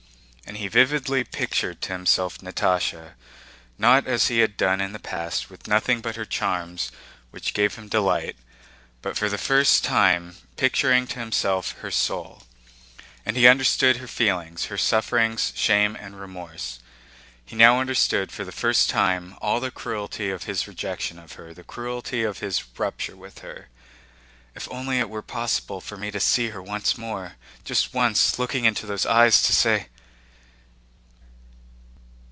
And he vividly pictured to himself Natásha, not as he had done in the past with nothing but her charms which gave him delight, but for the first time picturing to himself her soul. And he understood her feelings, her sufferings, shame, and remorse. He now understood for the first time all the cruelty of his rejection of her, the cruelty of his rupture with her. "If only it were possible for me to see her once more! Just once, looking into those eyes to say..."